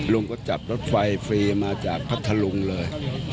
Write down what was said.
ลุงก็จับรถไฟฟรีมาจากพัทธลุงเลย